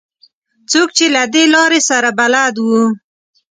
څوک چې له دې لارې سره بلد وو.